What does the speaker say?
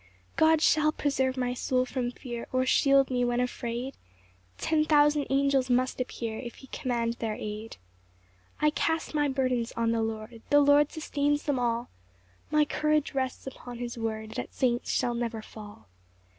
8 God shall preserve my soul from fear, Or shield me when afraid; Ten thousand angels must appear If he command their aid. 9 I cast my burdens on the Lord, The Lord sustains them all; My courage rests upon his word That saints shall never fall.